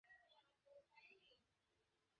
আর মাথার টুপিটায় এ কেমন রঙ!